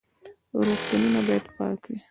روغتونونه باید پاک وي